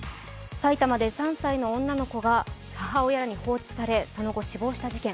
埼玉で３歳の女の子が母親に放置され、その後死亡した事件。